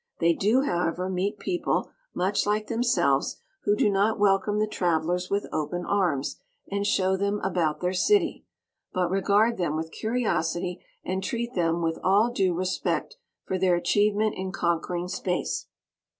They do, however, meet people much like themselves who do not welcome the travelers with open arms and show them about their city, but regard them with curiosity and treat them with all due respect for their achievement in conquering space.